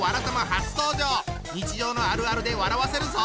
日常のあるあるで笑わせるぞ！